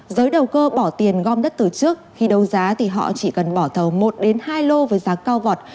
giới đầu cơ bỏ tiền gom đất từ trước khi đấu giá thì họ chỉ cần bỏ thầu một hai lô với giá cao vọt